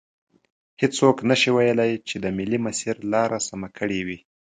هیڅوک نشي ویلی چې د ملي مسیر لار سمه کړي وي.